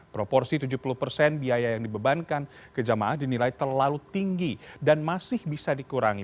proporsi tujuh puluh persen biaya yang dibebankan ke jamaah dinilai terlalu tinggi dan masih bisa dikurangi